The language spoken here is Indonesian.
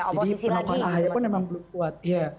jadi penolakan ahaya pun memang belum kuat